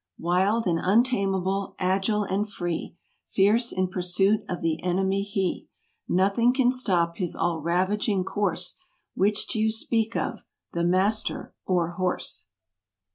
Wild and untameable, agile and free, Fierce in pursuit of the enemy he: Nothing can stop his all ravaging course.— Which do you speak of, the master or horse?